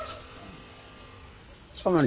มาทีที่กลับ๓